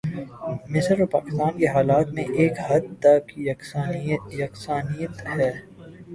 مصر اور پاکستان کے حالات میں ایک حد تک یکسانیت ہے۔